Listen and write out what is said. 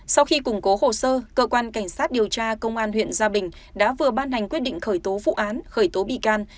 sau khi củng cố hồ sơ cơ quan cảnh sát điều tra công an huyện gia bình đã vừa ban hành quyết định khởi tố vụ án khởi tố bị can